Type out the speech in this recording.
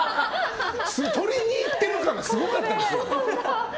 取りに行ってる感がすごかったですよ。